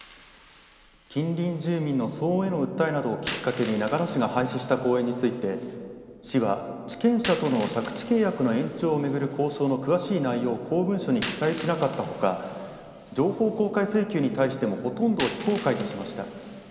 近隣住民の騒音への訴えなどをきっかけに長野市が廃止した公園について市は地権者との借地契約の延長を巡る交渉の詳しい内容を公文書に記載しなかったほか情報公開請求に対してもほとんど非公開としました。